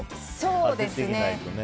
そうですね。